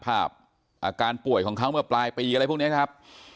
อาการป่วยของเขาเมื่อปลายปีอะไรพวกนี้นะครับ